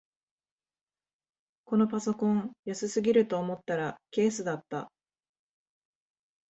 このパソコン安すぎると思ったらケースだった